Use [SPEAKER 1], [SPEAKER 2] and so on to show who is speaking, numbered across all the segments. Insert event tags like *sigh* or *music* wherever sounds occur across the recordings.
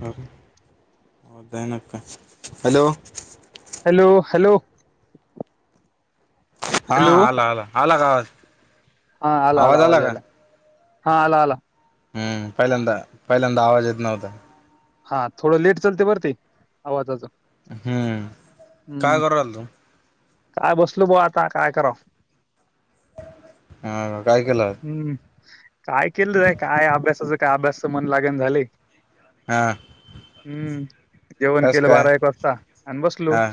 [SPEAKER 1] हा. आवाज जाईना काय? हॅलो.
[SPEAKER 2] Hello hello.
[SPEAKER 1] हा
[SPEAKER 2] हॅलो
[SPEAKER 1] आला आला. आला का आवाज?
[SPEAKER 2] हा आला आला आवाज यायलाय. हा आला आला?
[SPEAKER 1] हम्म पहिल्यांदा, पहिल्यांदा आवाज येत नव्हता.
[SPEAKER 2] हा थोडं लेट चालतंय बर ते, आवाजाचं.
[SPEAKER 1] हम्म काय
[SPEAKER 2] हम्म
[SPEAKER 1] करू राहिला तू?
[SPEAKER 2] काय बसलो बो आता काय करावं?
[SPEAKER 1] हा काय केलं?
[SPEAKER 2] हम्म काय केलं जाय काय अभ्यासाचं काय अभ्यासच मन लागण झालय.
[SPEAKER 1] हा.
[SPEAKER 2] जेवण
[SPEAKER 1] कस
[SPEAKER 2] केलं
[SPEAKER 1] काय?
[SPEAKER 2] बारा एक वाजता आणि बसलो
[SPEAKER 1] हा.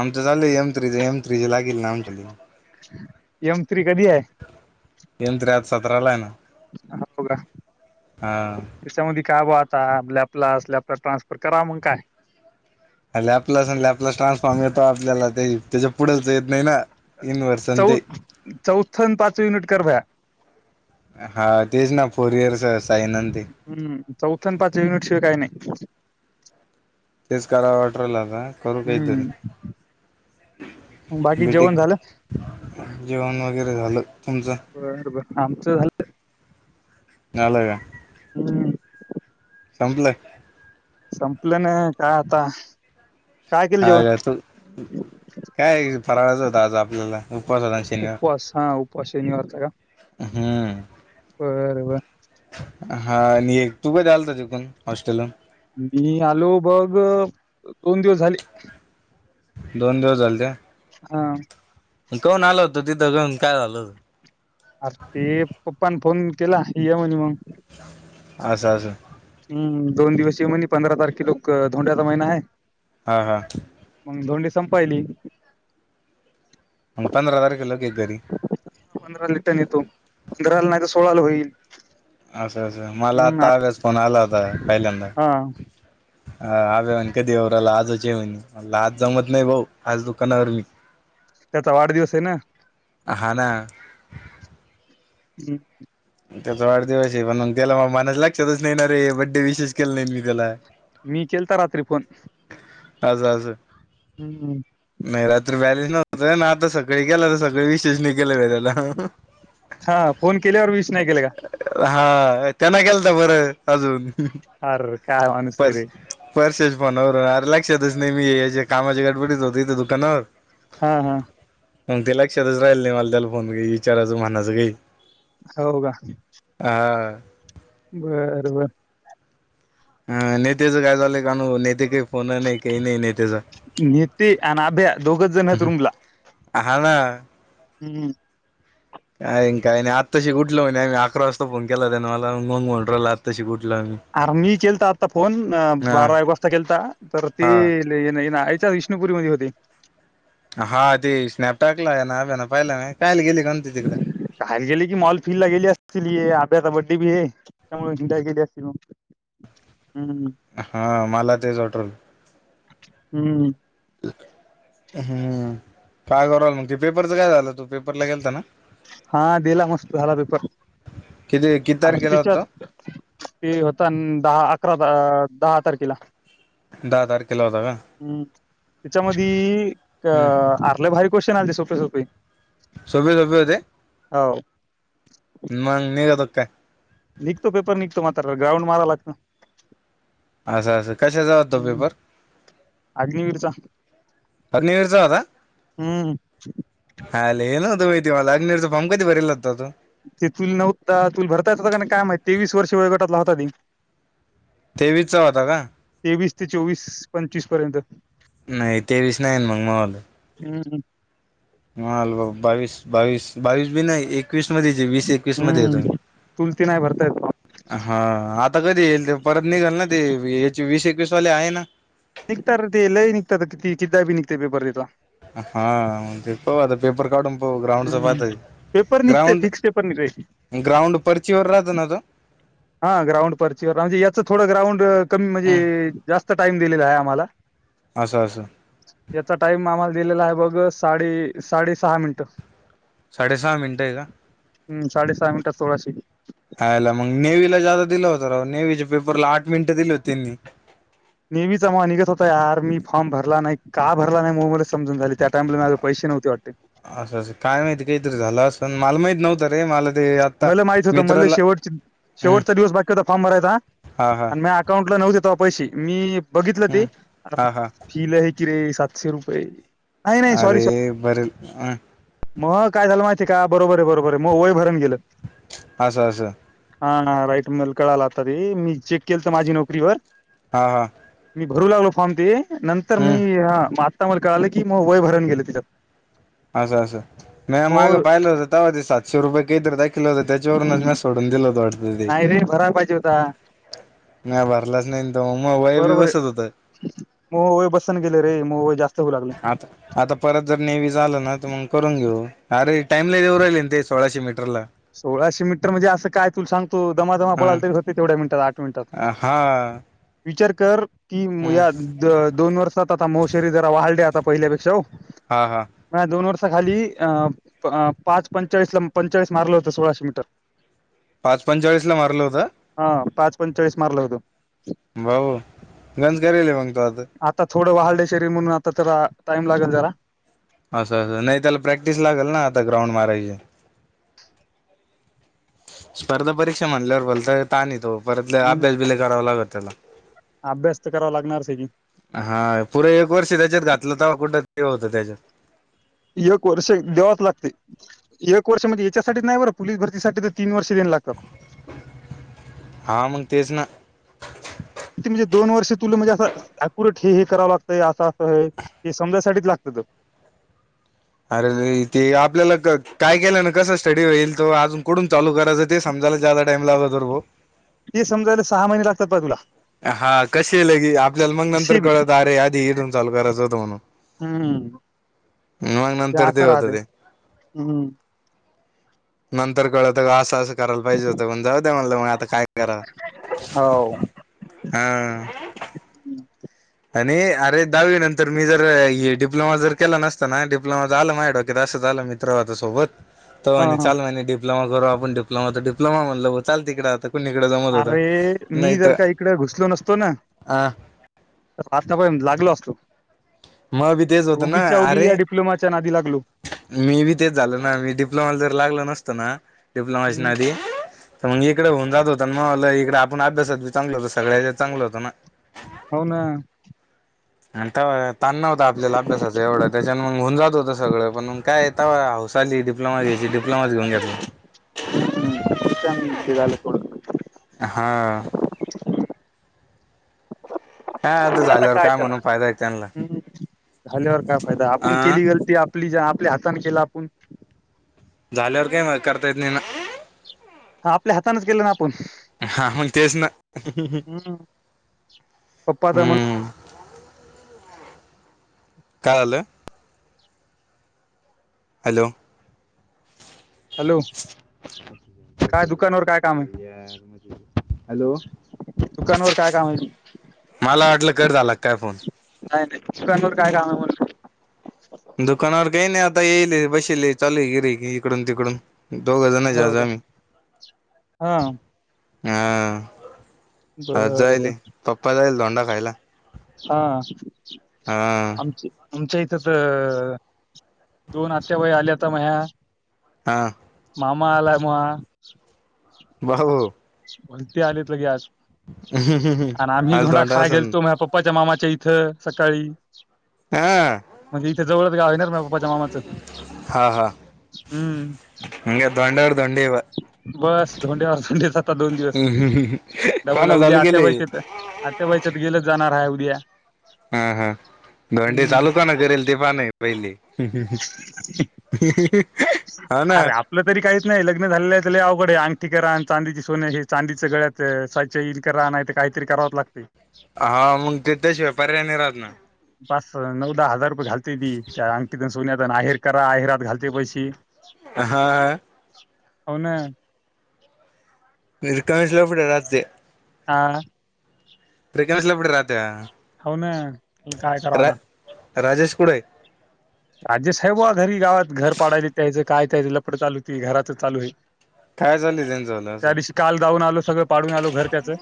[SPEAKER 1] आमचं चालं एम थ्री च एम तजे लागेल नामच्याली.
[SPEAKER 2] एम थ्री कधी आहे
[SPEAKER 1] एम थ्री आता सतरा ला आहे ना.
[SPEAKER 2] हो का?
[SPEAKER 1] हा.
[SPEAKER 2] का ब आता आप लॅप्लास लॅपलास ट्रान्सफर करा मग काय?
[SPEAKER 1] लॅपलास लॅपलास ट्रान्सफॉर्म येतो आपल्याला त्याच्या पुढेच येत नाही ना. इनव्हर्सन
[SPEAKER 2] चौ
[SPEAKER 1] ते
[SPEAKER 2] चौथ पाच युनिट कर बया.
[SPEAKER 1] हा तेच ना फोरइयर्स.
[SPEAKER 2] हम्म चौथ्या आणि पाच युनिट शिवाय काही नाही.
[SPEAKER 1] तेच करावं वाटरल आता करू काहीतरी
[SPEAKER 2] हम्म बाकी
[SPEAKER 1] बी टेक.
[SPEAKER 2] जेवण झालं
[SPEAKER 1] जेवण वगैरे झालं तुमचं?
[SPEAKER 2] बर बर आमचं झालं
[SPEAKER 1] झाला का?
[SPEAKER 2] हम्.
[SPEAKER 1] संपलं?
[SPEAKER 2] संपलं नाही काय आता. काय केलं जेवण?
[SPEAKER 1] हा तू काय फराळायचं होत आज आपल्याला उपवासा शनिवार.
[SPEAKER 2] उपवास हा उपवास शनिवारचा
[SPEAKER 1] हम्म.
[SPEAKER 2] होय बरं बरं.
[SPEAKER 1] हा आणि एक तू काही आल त तिकून हॉस्टेलून
[SPEAKER 2] मी आलो बघ दोन दिवस झाले
[SPEAKER 1] दोन दिवस झाले त्या
[SPEAKER 2] हा
[SPEAKER 1] कोन आल होतो तिथं घऊन काय झालं होतं
[SPEAKER 2] अरे ते पप्पान फोन केला ह म्हणी मग
[SPEAKER 1] अच्छा अ्ा
[SPEAKER 2] हम्म दोन दिवसीय म्हहि पंधरा तारखे लोक धोंड्याचा महिना आहे
[SPEAKER 1] हा हा
[SPEAKER 2] मग धोंडी संपायली
[SPEAKER 1] मग पंरा तारखेलाे घरी
[SPEAKER 2] पंधरा येतो घराला नाही सोळाला होईल
[SPEAKER 1] असं असं मला
[SPEAKER 2] हम्म आ-
[SPEAKER 1] आत्ता आव्यास फोन आला होता पहिल्यांदा
[SPEAKER 2] हा
[SPEAKER 1] ह अभवान कधीवरराला आजच ये म्ह मला आज जमत नाही भाऊ आज दुकानावर मी
[SPEAKER 2] त्याचा वाढदिवस आहे ना
[SPEAKER 1] आहला
[SPEAKER 2] हम्
[SPEAKER 1] त्याचा वाढदिवस आहे म्हणून त्याला मग मनास लक्षातच नाहीणार रे बड्डे विशेष केलं नाही मी त्याला
[SPEAKER 2] मी केलता रात्री फोन
[SPEAKER 1] अस अस
[SPEAKER 2] हम्म
[SPEAKER 1] नाही रात्री बॅलेन्स नव कसय ना आता सकाळी गेला ना तर सगळे विषयच नि
[SPEAKER 2] हा फोन केल्यावर विश नाही केलं
[SPEAKER 1] *unintelligible* हा त्यांना केलता बरं अजून
[SPEAKER 2] आर काय माणूस हाय
[SPEAKER 1] पर्स
[SPEAKER 2] रे?
[SPEAKER 1] पर्सेस फोनवर अर लक्षातच नाही, मी ये हेज्या कामाच्या गडबडीत होतो इथे दुकानावर.
[SPEAKER 2] हा हा.
[SPEAKER 1] मग ते लक्षातच राहिल नाही, मला त्याला फोन ई ईचाराचं म्हणाचं काही.
[SPEAKER 2] हो का?
[SPEAKER 1] हा
[SPEAKER 2] बर बर.
[SPEAKER 1] अ नेत्याचं काय झालंय? *unintelligible* नेते काही फोन नाही काही नाही नेत्याचा.
[SPEAKER 2] नीती अन आभ्या दोघच जण आहेत रूमला
[SPEAKER 1] *inaudible*
[SPEAKER 2] हम्म हम्म.
[SPEAKER 1] काय अन काय नाही आत्ताशी कुठल म्हणे अकरा वाजता फोन केला त्यान मला मंग म्हणू राला आत्ताशी कुठ
[SPEAKER 2] आर मी केलता आत्ता फोन अ
[SPEAKER 1] हा
[SPEAKER 2] बारा एक वाजता केलता तर ते
[SPEAKER 1] हा
[SPEAKER 2] ले ये ना *unintelligible* त विष्णुपुरीमध्ये होते
[SPEAKER 1] हा ते स्नॅप टाकलाय ना अभ्यान पाहिला मी कायला गेली का ते तिकडे.
[SPEAKER 2] बाहेर गेली कि मॉल फिल ला गेली असतील ये त्याचा बर्थडे बी ये त्यामुळे हिंडायला गेली असतील म.
[SPEAKER 1] हा मला तेच वाटू राहिल
[SPEAKER 2] हम्म.
[SPEAKER 1] हम्म काय करालाव मग? ते पेपरच काय झालं? तू पेपरला गेलता ना?
[SPEAKER 2] हा दिला मस्त झाला पेपर.
[SPEAKER 1] किती किती
[SPEAKER 2] आर
[SPEAKER 1] तारखेला होता
[SPEAKER 2] तिच्यात
[SPEAKER 1] तो
[SPEAKER 2] ते होता न दहा अकरा अ दहा तारखेला
[SPEAKER 1] दहा तारखेला होता का?
[SPEAKER 2] हम्म त्याच्यामध्ये अ
[SPEAKER 1] हम्म
[SPEAKER 2] आर लाई भारी क्वेश्चन आलते सोपे सोपे.
[SPEAKER 1] सगळे सोपे होते?
[SPEAKER 2] हो.
[SPEAKER 1] मग निघतो काय?
[SPEAKER 2] निघतो पेपर निघतो *unintelligible* ग्राउंड मारा लागत
[SPEAKER 1] असं असं कशाचा होता पेपर?
[SPEAKER 2] अग्निवीरचा
[SPEAKER 1] अग्निवीरचा होता?
[SPEAKER 2] हम्म.
[SPEAKER 1] आयला हे नव्हतं माहिती मला. अग्निवीरचा फॉर्म कधी भरेल होता तू?
[SPEAKER 2] ते तुल नव्हता, तूल भरता येत होता का काय माहित ते वीस वर्ष वयोगटातला होता ती.
[SPEAKER 1] तेवीसचा होता का?
[SPEAKER 2] ते चोवीस पंचवीस पर्यंत
[SPEAKER 1] नाही तेवीस नाही मग महवालं.
[SPEAKER 2] हम्म
[SPEAKER 1] मल बावीस बावीस बावीस बी नाही. एकवीस मध्ये वीस एकवीस मध्ये येतो
[SPEAKER 2] हम्म.
[SPEAKER 1] मी
[SPEAKER 2] चुलती नाही भरतायत
[SPEAKER 1] हा. आत आता कधी येईल ते परत निघाल ना ते याचे वीस एकवीस वाले आहे ना?
[SPEAKER 2] निघत र ते लई निघतात का किती किदा बी निघते पेपर तिथला.
[SPEAKER 1] हा पाऊ आता पेपर काढून. ग्राउंड
[SPEAKER 2] हम्म.
[SPEAKER 1] बाात
[SPEAKER 2] पेपर निघते
[SPEAKER 1] ग्राउंड
[SPEAKER 2] फिक्स पेपर निघते
[SPEAKER 1] ग्राउंड परर्चवरर राहत ना तो?
[SPEAKER 2] हा ग्राउंड परचीवर म्हणजे याच थोडं ग्राउंड कमी म्हणजे जास्त टाईम दिलेला आहे आम्हाला.
[SPEAKER 1] असं असं
[SPEAKER 2] याचा टाईम आम्हाला दिलेला आहे बघ साडे साडे सहा मिनट.
[SPEAKER 1] साडे सहा मिनट आहे का?
[SPEAKER 2] हम् साडे सहा मिनटात सोळाशे.
[SPEAKER 1] हायला मग नेवीला जादा दिला होत रा नेवीच्या पेपरला आठ मिनिटं दिली होती त्यांनी.
[SPEAKER 2] नेवीचा मग निघत होता यार. मी फॉर्म भरला नाही. का भरला नाही मलेचसमजून झाली त्या टाइमला माझे पैसे नव्हते वाटते.
[SPEAKER 1] असं असं काय माहती काहीतरी झालं असण. पण मला माहित नवतं रे मला ते आता
[SPEAKER 2] मला माहित होत मला
[SPEAKER 1] मित्राला
[SPEAKER 2] शेवट
[SPEAKER 1] हम्म
[SPEAKER 2] शेवटचा दिवस बाकी होता फॉर्म भरायचा
[SPEAKER 1] हा हा
[SPEAKER 2] आणि म अकाउंटला नव्हते पैसे. मी बघितलं ते
[SPEAKER 1] हम्म हा हा
[SPEAKER 2] फि लय कि रे. सातशे रुपये. नाही सॉरी
[SPEAKER 1] अरे
[SPEAKER 2] सॉरी
[SPEAKER 1] बरे अ.
[SPEAKER 2] मग काय झालं माहिती का बरोबर आहे बरोबर मग वय भरून गेलं
[SPEAKER 1] असं असं
[SPEAKER 2] हा राईट मला कळाले आता ते मी चेक केलं तर माझी नोकरीवर
[SPEAKER 1] ह ह
[SPEAKER 2] मी भरू लागलो फॉम ते नंतर मी ह ता मला कळलं की मग वय भरण गेले तिच्यात
[SPEAKER 1] असं असं म मागं पाहिलं होत तेव्हा दिसायला सुरवे काही तर दाखलं होत त्यांच्या वरूनच म्या सोडून दि होते
[SPEAKER 2] नाही रे भरायला पाहिजे होता
[SPEAKER 1] म्या भरलाच नाही तर मग वय बी
[SPEAKER 2] बरोबर आहे
[SPEAKER 1] बसत होतं
[SPEAKER 2] मग वय बसना गेले रे म्हणून वय जास्त होऊ लागलं
[SPEAKER 1] आता आता परत जर नेव्ह झालं ना तग मग करून घेऊ अरे टाईला देऊ राहिल ना ते सोळाशे मीटरला
[SPEAKER 2] सोळाशे मीटर म्हणजे असं काय तु सांग त दमादमा
[SPEAKER 1] हा
[SPEAKER 2] पळया तरी हो तेव्या मिनिटात आठ मिनट
[SPEAKER 1] हा
[SPEAKER 2] विचार कर कर कि
[SPEAKER 1] हम्म
[SPEAKER 2] या दोन वर्षात आता मोशरी जरा वाढली आता पहिल्यापेक्षा ओ
[SPEAKER 1] हा हा
[SPEAKER 2] ह दोन वर्ष खाली अं पाच पंचाळीस पंचाळीस मारलं होत सोळाशे मीटर
[SPEAKER 1] पाच पंचाळीस ला मारलं होत
[SPEAKER 2] हा पाच पंचाळीस मारला होतो
[SPEAKER 1] भाऊ गंज करेले मग आता
[SPEAKER 2] आता थोडं वाढले शरीर म्हणून आता तर टाइम लागेल जरा
[SPEAKER 1] असं असं नाही त्याला प्रॅक्टिस लागेल ना आता ग्राउंड मारायची स्पर्धा परीक्षा म्हणल्यावर बोलताता नाही तन येतो परत
[SPEAKER 2] हम्म,
[SPEAKER 1] अभ्यास ब करावा लागत त्याला
[SPEAKER 2] अभ्यास तर करावा लागणारच आहे
[SPEAKER 1] हा पुरे एक वर्ष त्यांच्यात घातले तव कुठे होतं त्याच्यात
[SPEAKER 2] एक वर्ष दवाच लागते एक वर्ष म्हणजे याच्यासाठीच नाही बरं पोलीस भरतीसाठी तर तीन वर्ष देवा लागतात
[SPEAKER 1] हा मग तेच ना
[SPEAKER 2] किती म्हणजे दोन वर्ष तुला म्हणजे असं अक्युरेट हे हे करावं लागतं असं असं हे समजायसाठीच लागतात
[SPEAKER 1] अरे ते आपल्याला काय केलं ना कस स्टडी होईल तो अजून कठून चालू करायचं ते समजायला जादा टाइम लावला तर भा
[SPEAKER 2] ते समजायला सहा महिने लागतात पहा तुला
[SPEAKER 1] हा कशी येल की आपल्याला मग नंतर
[SPEAKER 2] कसे बी
[SPEAKER 1] कळत अरे आधी इथून चालू करायचं होतं म्हणून
[SPEAKER 2] हम्म,
[SPEAKER 1] ह मग नंतर ते
[SPEAKER 2] असं
[SPEAKER 1] होत
[SPEAKER 2] राहते
[SPEAKER 1] ते
[SPEAKER 2] हम्म.
[SPEAKER 1] नंतर कळतग आास करायला पाहिजे होत पण जाऊ द म्हणलं मग आता काय करा,
[SPEAKER 2] हो.
[SPEAKER 1] हा. आणि अरे दहावी नंतर मी जर डिप्लोमा जर केला नसता ना डिप्लोमा आलं माझ्या डोक्यात असं झालं मित्र होता सोबत तो
[SPEAKER 2] हा हा
[SPEAKER 1] म्हणे डिप्लोमा करू आपण डिप्लोमा तर डिप्लोमा म्हणलं म चाल तिकड आता कुणीकडे जमत होतं
[SPEAKER 2] अरे मी
[SPEAKER 1] नाही
[SPEAKER 2] जर
[SPEAKER 1] तर
[SPEAKER 2] का इकड घुसलो नसतो ना
[SPEAKER 1] अ
[SPEAKER 2] आतापर्यंत लागलो असतो
[SPEAKER 1] मय बी तेच होत ना
[SPEAKER 2] उगीच्या उगी
[SPEAKER 1] अरे
[SPEAKER 2] या डिप्लोमाच्या नादी लागलो
[SPEAKER 1] मी बी तेच झाल ना मी डिप्लोमाला जर लागल नसतो ना डिप्लोमाच्या
[SPEAKER 2] हम्म,
[SPEAKER 1] नादी तर मग इकडे होऊन जात हो मग इकडे आपण अभ्यासाती चांगलं होत सगळ्या चांगलं होतं ना
[SPEAKER 2] हो ना
[SPEAKER 1] अन तवा ताण नव्हता आपल्याला अभ्यासाचं एवढं त्याच्या मग होऊन जात होत सगळं पण काय तवा हौस आली डिप्लोमा घ्यायची डिप्लोमाच घेऊन घेतलं
[SPEAKER 2] *unintelligible* हे झालं थोडं
[SPEAKER 1] हां. आता झाल्यावर
[SPEAKER 2] काय त्याला
[SPEAKER 1] म्हणून फायदा आहे त्यांना
[SPEAKER 2] झाल्यावर काय फायदा आपण
[SPEAKER 1] अ
[SPEAKER 2] केली गलती आपली ज आपल्या हातने केला *unintelligible*
[SPEAKER 1] झाल्यावर काही करता येत नाही ना
[SPEAKER 2] हा आपल्या हातानेच केलं ना- आपण
[SPEAKER 1] हा तेच ना,
[SPEAKER 2] हम्म, पप्पा तर म्हण
[SPEAKER 1] हम्म. काय झालं हॅलो.
[SPEAKER 2] हॅलो काय दुकानवर काय काम
[SPEAKER 1] हॅलो
[SPEAKER 2] आहे दुकानावर काय काम आहे
[SPEAKER 1] मला वाटलं कट झाला काय फोन
[SPEAKER 2] नाही नाही दुकानवर काय काम आहे म्हणलं-
[SPEAKER 1] दुकानावर काही नाही आता आता येईल बसले चालू आहे गिऱ्हाईके इकडून तिकडून. दोघजण *unintelligible*
[SPEAKER 2] का हा
[SPEAKER 1] हा. अ
[SPEAKER 2] बर बर
[SPEAKER 1] जायली *unintelligible* *unintelligible* यला.
[SPEAKER 2] हा
[SPEAKER 1] हा
[SPEAKER 2] आमच आमच्या इथ तर दोन आत्याबाई आल्याता मया
[SPEAKER 1] हा.
[SPEAKER 2] म आलय मवा-
[SPEAKER 1] बाबो.
[SPEAKER 2] म्हण आलीत ल गे आज- आणि आम्ही धोंडा खाय गेलतो माझ्या पप्पाच्या मामाच्या- या इथं सकाळी- म्हणजे इथे जवळच ग हणार म पप्पाच्या मामाचं- हम्म.
[SPEAKER 1] हंग धोंड्यावर धोंडे -
[SPEAKER 2] दिल्या
[SPEAKER 1] केले
[SPEAKER 2] आ आच्या गेल जाणार- आहे उद्या-
[SPEAKER 1] हा हा भंडी
[SPEAKER 2] हम्म
[SPEAKER 1] चालू काणा करेल तेीफ नाही पहिली हा ना
[SPEAKER 2] अरे आपलं तरी काहीच नाही लग्न झालेलं आहे त- डे अंगठी करा चांदीची सोने हे चांदीच्या गळ्यात साय इलकर नाही काहीतरी करावच लागते-
[SPEAKER 1] हा मग ते त्याच्याशिवाय पर्याय नि राहात ना-
[SPEAKER 2] पाच नऊ दहा हजार- घालते काय अंगठीय नाहीर करा अहिरात घालते पैसे
[SPEAKER 1] हा हा
[SPEAKER 2] हो ना
[SPEAKER 1] नि कमीशला पुढ र्री
[SPEAKER 2] हा
[SPEAKER 1] प्रिकांश ला पु राहते
[SPEAKER 2] हो ना काय करा
[SPEAKER 1] रा
[SPEAKER 2] आता
[SPEAKER 1] राजेश कुडे
[SPEAKER 2] राजे साहेब घरी गावात घर पाडायला त्या्यायचं काय त्यायचं लपड चालूती घराचं चालू आहे
[SPEAKER 1] काय चालली त्यांचालं
[SPEAKER 2] त्या
[SPEAKER 1] असं
[SPEAKER 2] दिवशी काल जाऊन आलो सगळं पाडून आलो घर त्याचं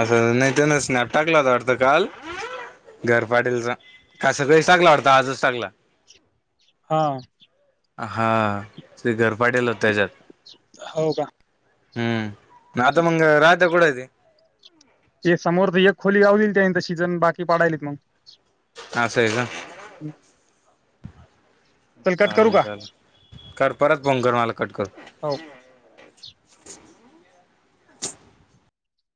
[SPEAKER 1] असं नाही त्यानचॅप टाकला होता वाटतं काल घर पाटीलचा का स काळी टाकला वाटता आजच टाकला
[SPEAKER 2] हा
[SPEAKER 1] हा ते घर पाटेल हो त्याच्यात
[SPEAKER 2] हो का
[SPEAKER 1] हम्म नाता मंग राज कड इे
[SPEAKER 2] ते समोर तर एक खोली गावल त्यांत सिजन बाकी पाडालेत मग
[SPEAKER 1] आ अस आहे का
[SPEAKER 2] चल कट करू
[SPEAKER 1] चालेल
[SPEAKER 2] का
[SPEAKER 1] चाले कर परत फोन कर मला कट कर
[SPEAKER 2] हो